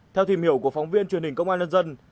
theo tìm hiểu của phóng viên truyền hình công an nhân dân